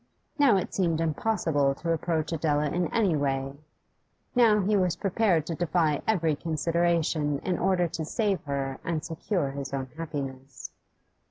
Now it seemed impossible to approach Adela in any way; now he was prepared to defy every consideration in order to save her and secure his own happiness.